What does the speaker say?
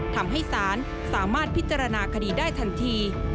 ทำให้ศาลสามารถพิจารณาคดีได้ทันที